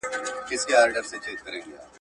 آیا تر واده مخکي د نجلۍ نفقه پر پلار ده؟